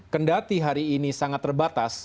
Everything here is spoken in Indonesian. kendati hari ini sangat terbatas